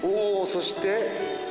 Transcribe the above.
そして。